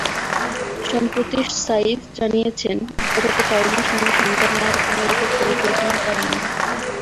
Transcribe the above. সম্প্রতি সাইফ জানিয়েছেন, আপাতত কারিনার সঙ্গে সন্তান নেওয়ার কোনো রকম পরিকল্পনা তাঁর নেই।